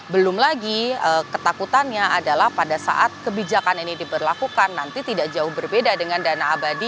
belum lagi ketakutannya adalah pada saat kebijakan ini diberlakukan nanti tidak jauh berbeda dengan dana abadi